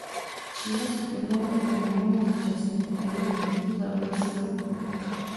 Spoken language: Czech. Čína se turnaje také nemohla zúčastnit a její místo zaujal Singapur.